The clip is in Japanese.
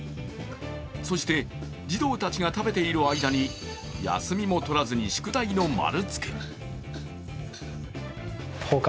そして、児童たちが食べている間に休みもとらずに宿題の丸つけ。